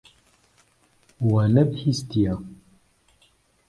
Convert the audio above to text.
We nebihîstiye.